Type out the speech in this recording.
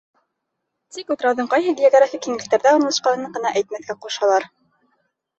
Тик утрауҙың ҡайһы географик киңлектәрҙә урынлашҡанын ғына әйтмәҫкә ҡушалар.